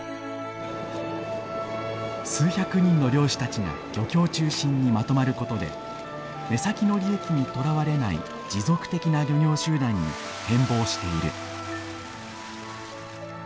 数百人の漁師たちが漁協中心にまとまることで目先の利益にとらわれない持続的な漁業集団に変貌している。